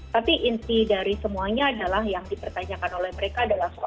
tapi inti dari semuanya adalah yang dipertanyakan oleh mereka adalah soal